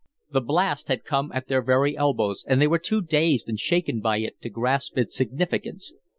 The blast had come at their very elbows, and they were too dazed and shaken by it to grasp its significance.